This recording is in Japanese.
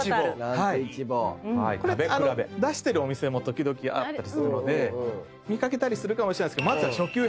これ出してるお店も時々あったりするので見掛けたりするかもしれないですけど。